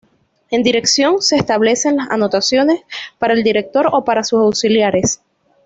En dirección se establecen las anotaciones para el director o para sus auxiliares.